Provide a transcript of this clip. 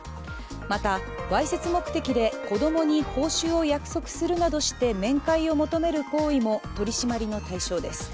また、わいせつ目的で子供に報酬を約束するなどして面会を求める行為も取り締まりの対象です。